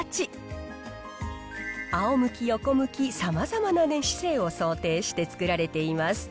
仰向き横向きさまざまな寝姿勢を想定して作られています。